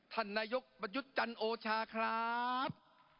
ท่านนายกประยุทธ์จันโอชาครับ